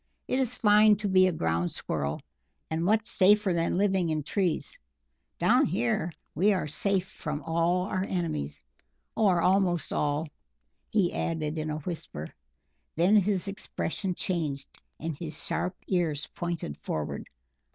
It is fine to be a ground Squirrel, and much safer than living in trees. Down here we are safe from all our enemies or almost all," he added in a whisper. Then his expression changed, and his sharp ears pointed forward.